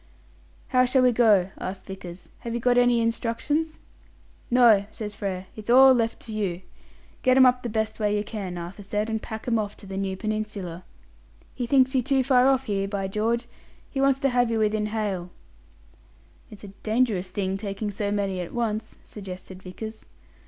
"How shall we go?" asked Vickers. "Have you got any instructions?" "No," says Frere; "it's all left to you. Get 'em up the best way you can, Arthur said, and pack 'em off to the new peninsula. He thinks you too far off here, by George! He wants to have you within hail." "It's dangerous taking so many at once," suggested Vickers.